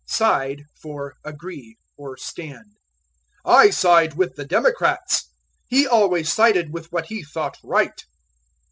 Side for Agree, or Stand. "I side with the Democrats." "He always sided with what he thought right."